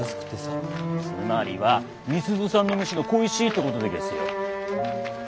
つまりは美鈴さんの飯が恋しいってことでげすよ。